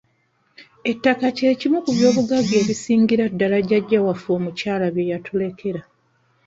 Ettaka kye kimu ku by'obugagga ebisingira ddala jjajja waffe omukyala bye yatulekera.